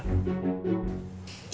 kenapa ya pak